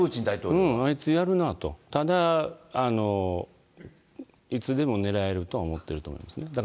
あいつ、やるなぁと、いつでも狙えるとは思ってると思いますね。